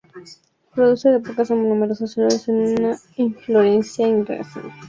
Producen de pocas a numerosas flores en una inflorescencia en racimo.